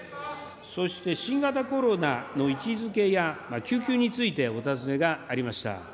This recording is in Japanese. そして、新型コロナの位置づけや救急について、お尋ねがありました。